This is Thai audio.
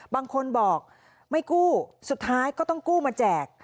บางคนบอกไม่กู้สุดท้ายก็ต้องกู้มาแจก